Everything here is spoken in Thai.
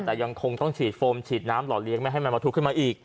แต่ยังคงต้องฉีดโฟมฉีดน้ำหล่อเลี้ยไม่ให้มันมาทุกขึ้นมาอีก